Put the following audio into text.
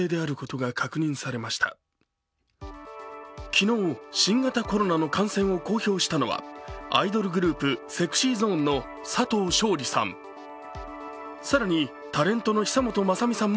昨日、新型コロナの感染を公表したのは、アイドルグループＳｅｘｙＺｏｎｅの佐藤勝利さん。